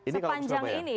sepanjang ini ya berarti